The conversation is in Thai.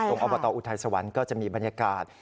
อบตอุทัยสวรรค์ก็จะมีบรรยากาศ